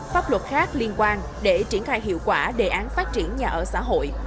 pháp luật khác liên quan để triển khai hiệu quả đề án phát triển nhà ở xã hội